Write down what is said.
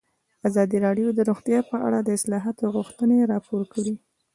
ازادي راډیو د روغتیا په اړه د اصلاحاتو غوښتنې راپور کړې.